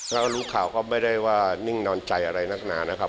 เรารู้ข่าวก็ไม่ได้ว่านิ่งนอนใจอะไรนักหนานะครับ